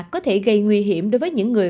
có thể gây nguy hiểm đối với những người